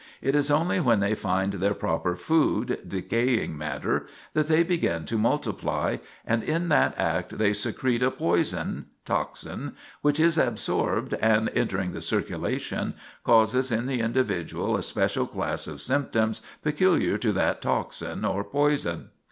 It is only when they find their proper food, decaying matter, that they begin to multiply, and in that act they secret a poison, toxin, which is absorbed, and, entering the circulation, causes in the individual a special class of symptoms peculiar to that toxin, or poison.